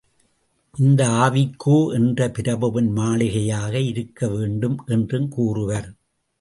இது ஆவிக்கோ என்ற பிரபுவின் மாளிகையாக இருக்க வேண்டும் என்றும் கூறுவர்.